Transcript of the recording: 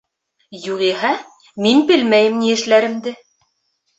Юғиһә, мин белмәйем ни эшләремде!